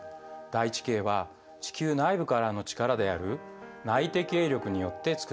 大地形は地球内部からの力である内的営力によって作られます。